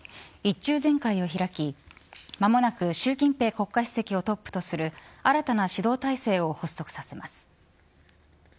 １中全会を開き間もなく習近平国家主席をトップとする新たな指導体制を発足させます。